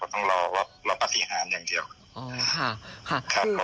ต้องรอว่าเราปฏิหารอย่างเดียว